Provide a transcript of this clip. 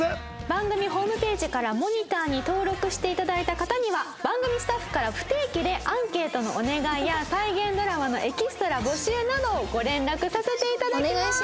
番組ホームページからモニターに登録していただいた方には番組スタッフから不定期でアンケートのお願いや再現ドラマのエキストラ募集などをご連絡させていただきます。